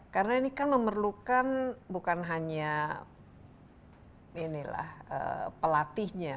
karena ini kan memerlukan bukan hanya pelatihnya